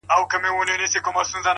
د ژوندون ساه د ژوند وږمه ماته كړه.